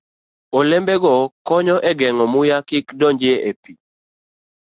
Olembego konyo e geng'o muya kik donj e pi.